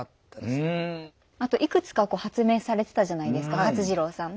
あといくつかこう発明されてたじゃないですか勝次郎さん。